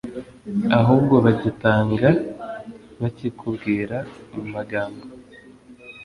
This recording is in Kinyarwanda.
ahubwo bagitanga bakikubwira mu magambo.